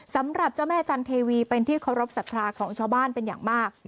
สำหรับเจ้าแม่จันเทวีเป็นที่เคารพสัทธาของชาวบ้านเป็นอย่างมาก